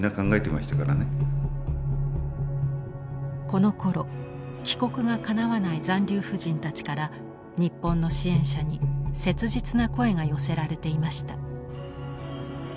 このころ帰国がかなわない残留婦人たちから日本の支援者に切実な声が寄せられていました。